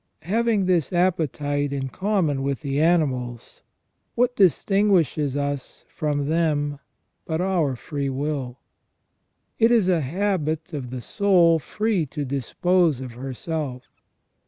Having this appetite in common with the animals, what distinguishes us from them but our free will ? It is a habit of the soul free to dispose of herself.